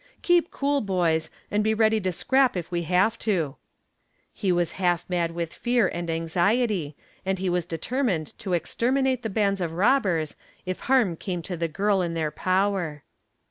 "Keep cool, boys, and be ready to scrap if we have to." He was half mad with fear and anxiety, and he was determined to exterminate the bands of robbers if harm came to the girl in their power.